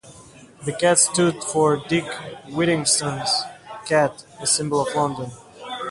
The cat stood for Dick Whittington's cat, a symbol of London.